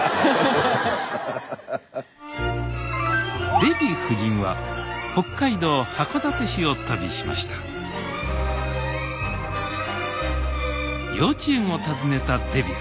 デヴィ夫人は北海道函館市を旅しました幼稚園を訪ねたデヴィ夫人。